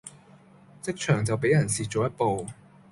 職場就比人蝕左一步